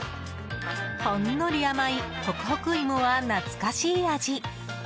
ほんのり甘いホクホク芋は懐かしい味。